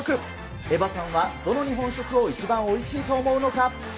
エヴァさんはどの日本食を一番おいしいと思うのか。